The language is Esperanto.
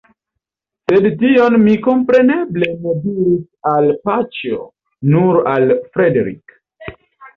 Sed tion mi kompreneble ne diris al Paĉjo, nur al Fredrik.